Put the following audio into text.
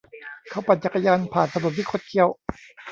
เขาปั่นจักรยานผ่านถนนที่คดเคี้ยว